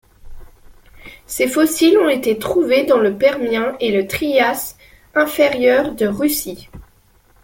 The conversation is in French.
Ses fossiles ont été trouvés dans le Permien et le Trias inférieur de Russie.